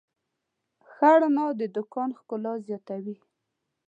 ښه رڼا د دوکان ښکلا زیاتوي.